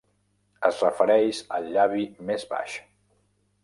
Es refereix al llavi més baix.